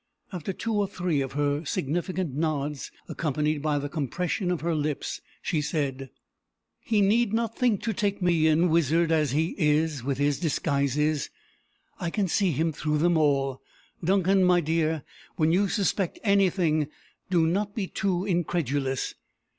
After two or three of her significant nods, accompanied by the compression of her lips, she said: "He need not think to take me in, wizard as he is, with his disguises. I can see him through them all. Duncan, my dear, when you suspect anything, do not be too incredulous.